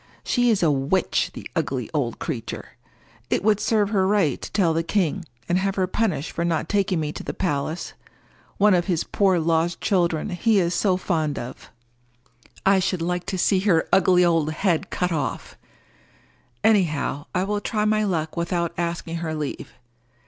She is a witch, the ugly old creature! It would serve her right to tell the king and have her punished for not taking me to the palace—one of his poor lost children he is so fond of! I should like to see her ugly old head cut off. Anyhow I will try my luck without asking her leave.